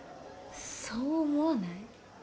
そう思わない？